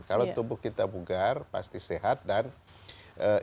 kalau tubuh kita bugar pasti sehat dan tetap aktif berolahraga